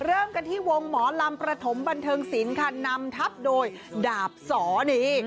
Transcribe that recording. เริ่มกันที่วงหมอลำประถมบันเทิงศิลป์ค่ะนำทับโดยดาบสอนี่